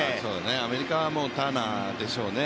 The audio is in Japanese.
アメリカはもうターナーでしょうね。